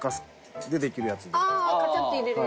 カチャッて入れる。